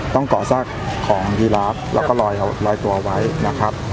ต้องก่อสร้างของยีราฟแล้วก็ลอยตัวไว้นะครับ